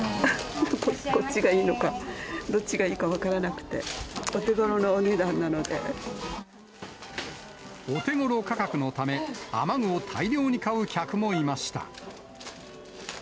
こっちがいいのか、どっちがいいか分からなくて、お手ごろ価格のため、雨具を大量に買う客もいました。